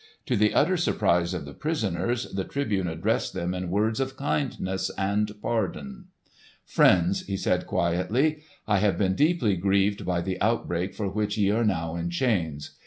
To the utter surprise of the prisoners, the Tribune addressed them in words of kindness and pardon. "Friends," he said quietly, "I have been deeply grieved by the outbreak for which ye are now in chains.